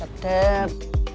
ya tambah sedap